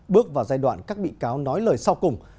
bước vào giai đoạn các bị cáo nói lời sau cùng